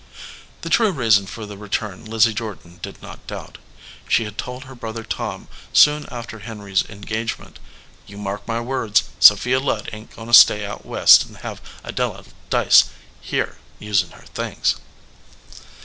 The true reason for the return Lizzie Jordan did not doubt. She had told her brother Tom, soon after Henry s engagement, "You mark my words, Sophia Ludd ain t goin to stay out West and have Adela Dyce here usin her things."